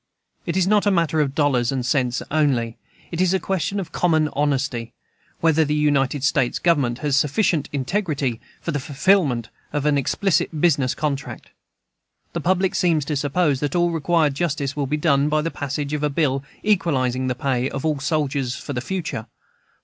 It is not a matter of dollars and cents only; it is a question of common honesty, whether the United States Government has sufficient integrity for the fulfillment of an explicit business contract. The public seems to suppose that all required justice will be done by the passage of a bill equalizing the pay of all soldiers for the future.